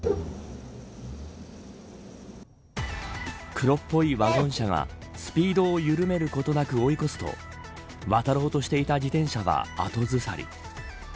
黒っぽいワゴン車がスピードを緩めることなく追い越すと渡ろうとしていた自転車は後ずさり。